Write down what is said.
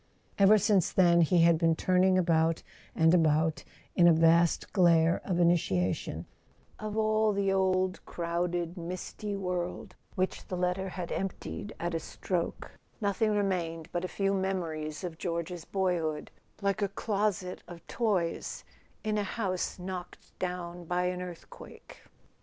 Ever since then he had been turn¬ ing about and about in a vast glare of initiation: of all the old crowded misty world which the letter had emptied at a stroke, nothing remained but a few mem¬ ories of George's boyhood, like a closet of toys in a house knocked down by an earthquake.